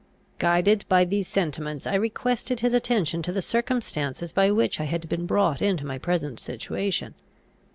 Guided by these sentiments, I requested his attention to the circumstances by which I had been brought into my present situation.